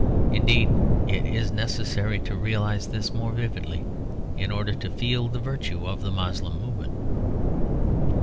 Indeed it is necessary to realise this more vividly in order to feel the virtue of the Moslem movement.